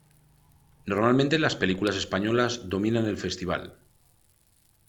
Normalmente, las películas españolas dominan el Festival.